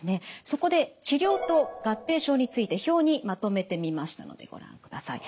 そこで治療と合併症について表にまとめてみましたのでご覧ください。